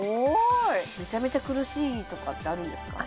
めちゃめちゃ苦しいとかってあるんですか？